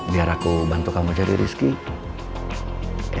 biar aku bantu kamu jadi rizky